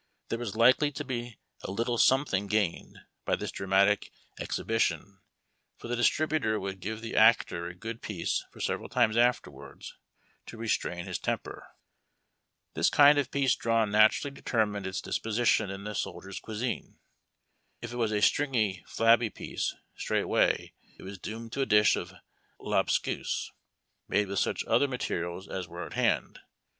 There was likely to be a little something gained by this dramatic exhibition, for the distributor would give the actor a good piece for several times afterwards, to restrain his temper. The kind of piece drawn naturally determined its dispo sition in the soldier's cuisine. If it was a stringy, flabby piece, straightway it was doomed to a dish of lobscouse, made with such other materials as were at hand.